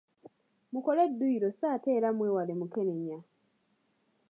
Mukole dduyiro so ate era mwewale mukenenya.